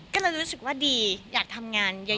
ก็เลยรู้สึกว่าดีอยากทำงานเยอะ